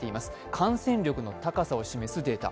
感染力の高さを示すデータ。